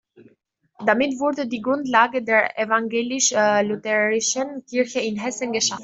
Damit wurde die Grundlage der evangelisch-lutherischen Kirche in Hessen geschaffen.